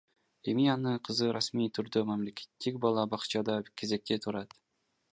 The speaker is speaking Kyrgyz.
Эми анын кызы расмий түрдө мамлекеттик бала бакчада кезекте турат.